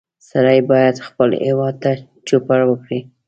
سړی باید خپل هېواد ته چوپړ وکړي